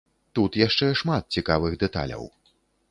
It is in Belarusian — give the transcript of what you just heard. Тут яшчэ шмат цікавых дэталяў!